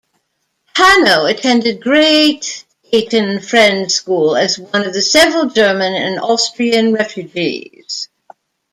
Hanno attended Great Ayton Friends' School as one of several German and Austrian refugees.